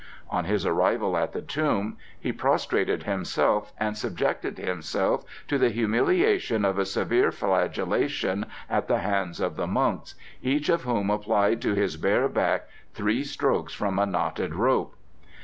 On his arrival at the tomb he prostrated himself, and subjected himself to the humiliation of a severe flagellation at the hands of the monks, each of whom applied to his bare back three strokes from a knotted rope.